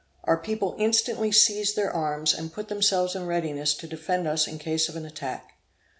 Our people instantly seized their arms, and put themselves in readiness to defend us in case of an attack.